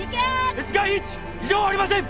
・列外１異常ありません！